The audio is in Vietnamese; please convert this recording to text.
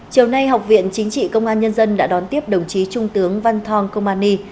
chiều nay học viện chính trị công an nhân dân đã đón tiếp đồng chí trung tướng văn thong kông an ni